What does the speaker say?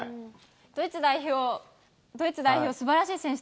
ドイツ代表、すばらしい選手